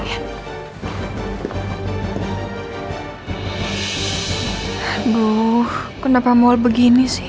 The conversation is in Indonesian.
aduh kenapa mau begini sih